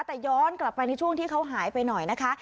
แต่ย้อนกลับไปในช่วงที่เขาหายไปหน่อยนะคะ